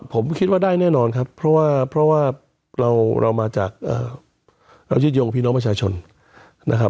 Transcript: ผมคิดว่าได้แน่นอนครับเพราะว่าเพราะว่าเรามาจากเรายืดยงพี่น้องประชาชนนะครับ